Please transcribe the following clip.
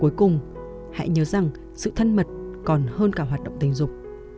cuối cùng hãy nhớ rằng sự thân mật còn hơn cả hoạt động tình dục